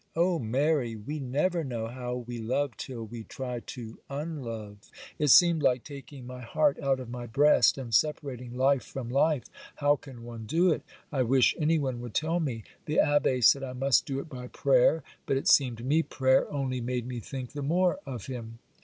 Oh, Mary! we never know how we love till we try to unlove; it seemed like taking my heart out of my breast, and separating life from life. How can one do it? I wish any one would tell me. The Abbé said I must do it by prayer; but it seemed to me prayer only made me think the more of him.